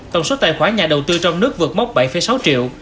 tổng số tài khoản nhà đầu tư trong nước vượt mốc bảy sáu triệu